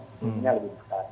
mimpinya lebih besar